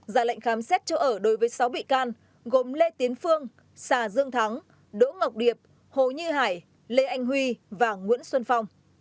già lệnh khám xét chỗ ở đối với sáu bị can gồm lê tiến phương xà dương thắng đỗ ngọc điệp hồ như hải lê anh huy và nguyễn xuân phong